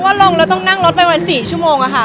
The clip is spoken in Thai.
ลงแล้วต้องนั่งรถไปวัน๔ชั่วโมงอะค่ะ